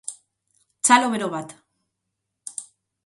Txalo bero bat.